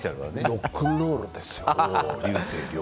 ロックンロールですよ。